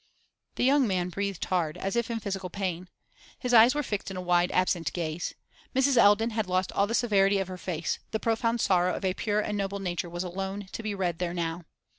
The young man breathed hard, as if in physical pain. His eyes were fixed in a wide absent gaze. Mrs. Eldon had lost all the severity of her face; the profound sorrow of a pure and noble nature was alone to be read there now.